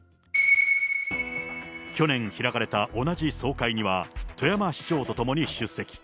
去年開かれた同じ総会には、富山市長と共に出席。